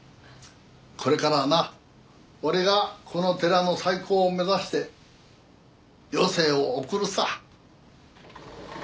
これからはな俺がこの寺の再興を目指して余生を送るさ。